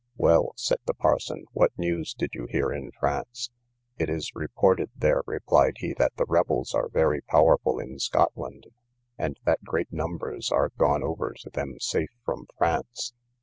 Well, said the parson, what news did you hear in France? It is reported there, replied he, that the rebels are very powerful in Scotland, and that great numbers are gone over to them safe from France.